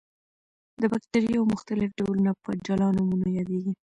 د باکتریاوو مختلف ډولونه په جلا نومونو یادیږي.